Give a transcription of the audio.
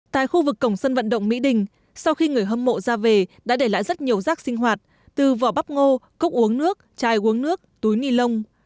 tại khu vực cổng sân vận động mỹ đình sau khi người hâm mộ ra về đã để lại rất nhiều rác sinh hoạt từ vỏ bắp ngô cốc uống nước chai uống nước túi ni lông